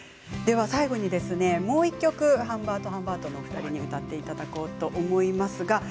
もう１曲ハンバートハンバートのお二人に歌っていただこうと思います。